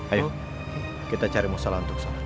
ayo kita cari musalah untuk sana